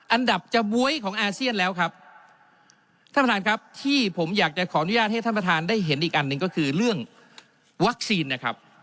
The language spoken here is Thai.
อันดับจะบ๊วยของอาเซียนแล้วครับท่านประธานครับที่ผมอยากจะขออนุญาตให้ท่านประธานได้เห็นอีกอันหนึ่งก็คือเรื่องวัคซีนนะครับ